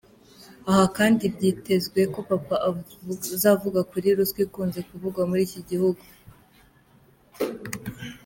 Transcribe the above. Aha kandi, byitezwe ko Papa azavuga kuri ruswa ikunze kuvugwa muri iki gihugu.